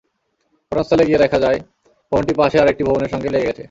ঘটনাস্থলে গিয়ে দেখা যায়, ভবনটি পাশের আরেকটি ভবনের সঙ্গে লেগে গেছে।